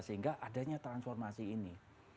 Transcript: sehingga adanya transformasi ini